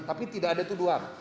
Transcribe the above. tapi tidak ada tuduhan